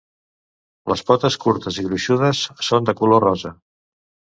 Les potes curtes i gruixudes són de color rosa.